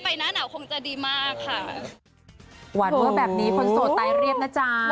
ไปหน้าหนาวก็อาจจะโอเค